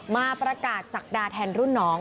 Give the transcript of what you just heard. มาประกาศศักดาแทนรุ่นน้อง